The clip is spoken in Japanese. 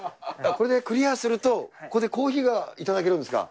これでクリアすると、ここでコーヒーが頂けるんですか。